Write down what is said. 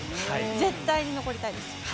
絶対に残りたいです。